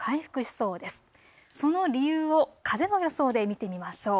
その理由を風の予想で見てみましょう。